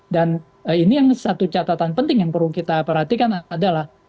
dan ini satu catatan penting yang perlu kita perhatikan adalah